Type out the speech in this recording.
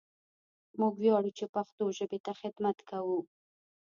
موږ وياړو چې پښتو ژبې ته خدمت کوو!